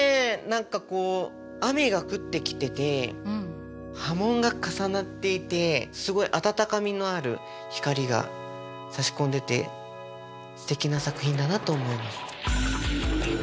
何かこう雨が降ってきてて波紋が重なっていてすごいあたたかみのある光がさし込んでてすてきな作品だなと思います。